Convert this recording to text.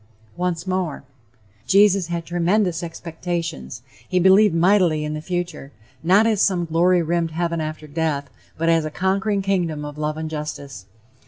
Once more: "Jesus had tremendous expectations....He believed mightily in the future, not as some glory rimmed heaven after death, but as a conquering kingdom of love and justice.